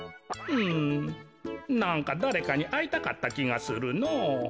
うんなんかだれかにあいたかったきがするのぉ。